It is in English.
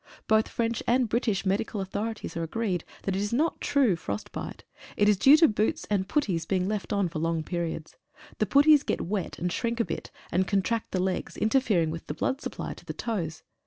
Both French and British medical authorities are agreed that it is not true frost bite. It is due to boots and putties being left on for long periods. The putties get wet and shrink a bit, and contract the legs, interfering with the blood supply to the toes.